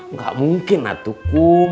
nggak mungkin atukum